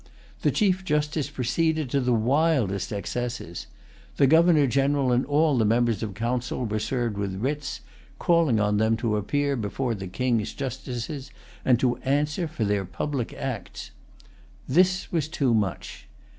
The Chief Justice proceeded to the wildest excesses. The Governor General and all the members of Council were served with writs, calling on them to appear before the King's justices, and to answer for their public acts. This was too much.